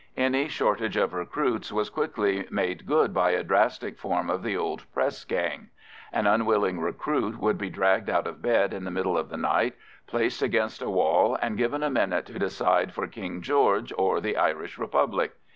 Any shortage of recruits was quickly made good by a drastic form of the old pressgang. An unwilling recruit would be dragged out of bed in the middle of the night, placed against a wall, and given a minute to decide for King George or the Irish Republic.